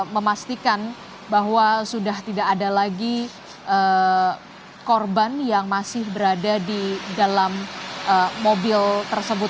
memastikan bahwa sudah tidak ada lagi korban yang masih berada di dalam mobil tersebut